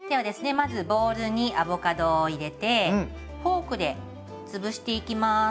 まずボウルにアボカドを入れてフォークで潰していきます。